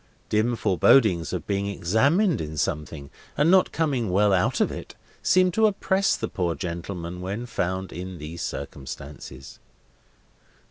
Dim forebodings of being examined in something, and not coming well out of it, seemed to oppress the poor gentleman when found in these circumstances.